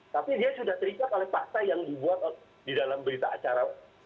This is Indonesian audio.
tapi dia sudah terikat oleh fakta yang dibuat di dalam berita acara